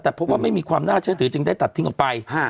แต่พบว่าไม่มีความน่าเชื่อถือจึงได้ตัดทิ้งออกไป